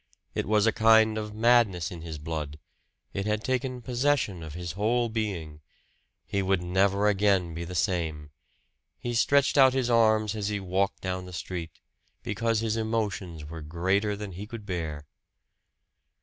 It was a kind of madness in his blood. It had taken possession of his whole being he would never again be the same! He stretched out his arms as he walked down the street, because his emotions were greater than he could bear.